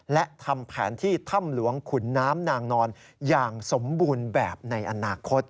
และทำแผนที่ถ้ำหลวงขุนน้ำนางนอนอย่างสมบูรณ์แบบในอนาคต